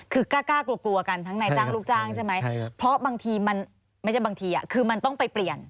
คือกล้ากลัวกลัวกันทั้งในจ้างลูกจ้างใช่ไหมเพราะบางทีมันไม่ใช่บางทีคือมันต้องไปเปลี่ยน